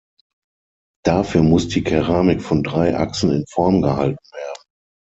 Dafür muss die Keramik von drei Achsen in Form gehalten werden.